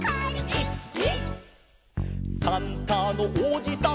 「１２」「サンタのおじさん」